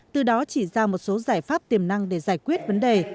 từ đó chỉ ra một số giải pháp tiềm năng để giải quyết vấn đề